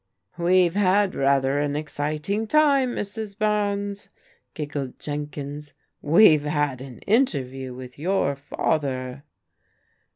"We've had rather an exciting time, Mrs. Barnes," giggled Jenkins. "We've had an interview with your father."